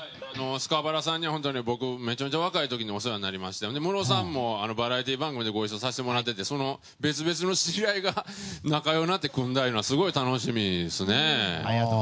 スカパラさんに僕めちゃめちゃ若い時にお世話になりましてムロさんも、バラエティー番組でご一緒させてもらってて別々の知り合いが仲良くなって組んだようなすごい楽しみですね。